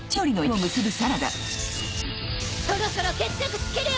そろそろ決着つけるよ！